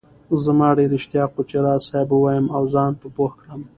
زما ډېر اشتياق وو چي راز صاحب ووايم او زان په پوهه کړم